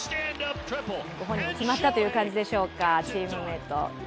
御本人、決まったという感じでしょうか、チームメート、